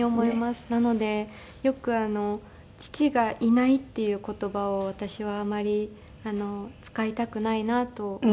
なのでよく「父がいない」っていう言葉を私はあまり使いたくないなと思っていて。